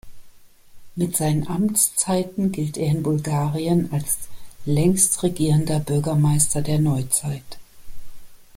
Mit seinen Amtszeiten gilt er in Bulgarien als „längst regierender Bürgermeister der Neuzeit“.